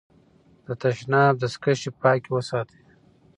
د تشناب دستکشې پاکې وساتئ.